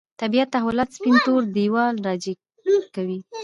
طبیعت تحولات سپین تور دېو راجع کوي.